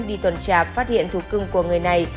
đi tuần trạp phát hiện thủ cưng của người này